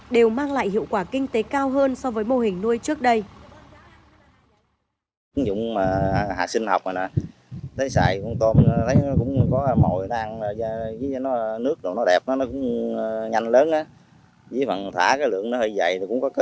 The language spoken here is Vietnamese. đều mang lại hiệu quả kinh tế cao hơn so với mô hình nuôi trước đây